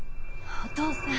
お父さん。